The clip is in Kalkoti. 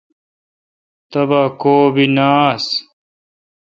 تبہ کوب نہ آس۔